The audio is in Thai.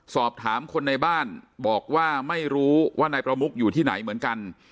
สอบถามคนในบ้านบอกว่าไม่รู้ว่านายประมุกอยู่ที่ไหนเหมือนกัน